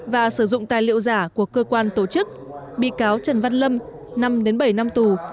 và sử dụng tài liệu giả của cơ quan tổ chức bị cáo trần văn lâm năm bảy năm tù